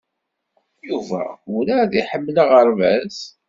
Yuba weṛɛad iḥemmel aɣerbaz?